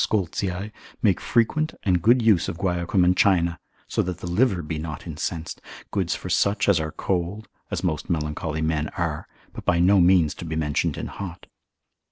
Scoltzii, make frequent and good use of guaiacum and China, so that the liver be not incensed, good for such as are cold, as most melancholy men are, but by no means to be mentioned in hot.